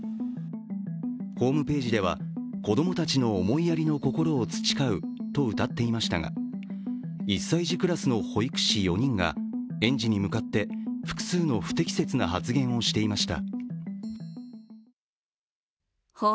ホームページでは、子供たちの思いやりの心を培うとうたっていましたが、１歳児クラスの保育士４人が園児に向かって複数の不適切な発言をしていました。